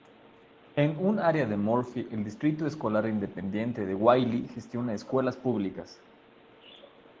En un área de Murphy, el Distrito Escolar Independiente de Wylie gestiona escuelas públicas.